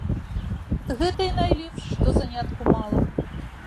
Гэта і найлепш, што занятку мала.